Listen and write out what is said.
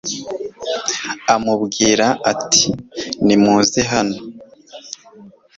amubwira ati nimuze hano